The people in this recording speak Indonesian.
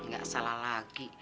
gak salah lagi